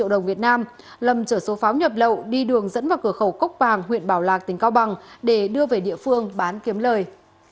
lâm trở số pháo nhập lậu đi đường dẫn vào cửa khẩu cốc bàng huyện bảo lạc tỉnh cao bằng để đưa về địa phương bán kiếm lời